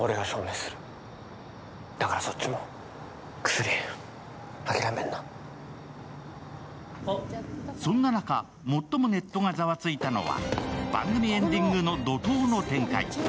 すると大輝はそんな中、最もネットがざわついたのは、番組エンディングの怒とうの展開。